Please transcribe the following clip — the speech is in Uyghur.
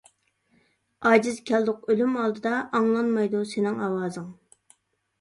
ئاجىز كەلدۇق ئۆلۈم ئالدىدا، ئاڭلانمايدۇ سېنىڭ ئاۋازىڭ.